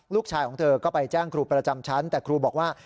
ลูกชายของเธอก็ไปแจ้งครูประจำชั้นแต่ครูบอกว่า